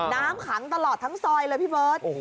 น้ำขังตลอดทั้งซอยเลยพี่เบิร์ต